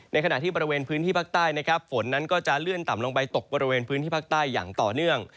ขณะที่บริเวณพื้นที่ภาคใต้นะครับฝนนั้นก็จะเลื่อนต่ำลงไปตกบริเวณพื้นที่ภาคใต้อย่างต่อเนื่อง